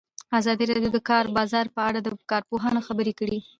ازادي راډیو د د کار بازار په اړه د کارپوهانو خبرې خپرې کړي.